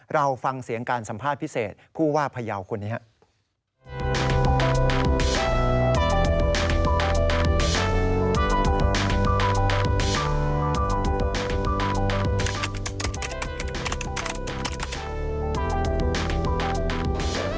เราฟังเสียงการสัมภาษณ์พิเศษผู้ว่าพยาวคนนี้ครับ